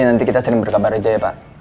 nanti kita sering berkabar aja ya pak